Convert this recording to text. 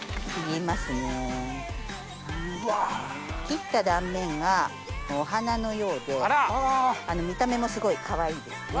切った断面がお花のようで見た目もすごいかわいいですね。